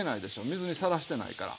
水にさらしてないから。